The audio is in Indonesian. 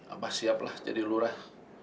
abah siap lah jadi lurah